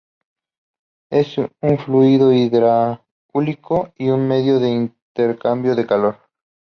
Es un fluido hidráulico y un medio de intercambio de calor.